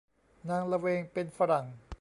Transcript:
นางละเวงเป็นฝรั่ง